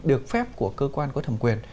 được phép của cơ quan có thẩm quyền